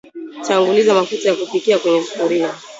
Tanguliza mafuta ya kupikia kwenye sufuria